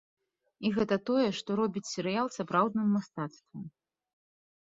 І гэта тое, што робіць серыял сапраўдным мастацтвам.